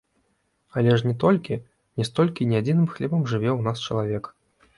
Але ж не толькі, не столькі і не адзіным хлебам жыве ў нас чалавек.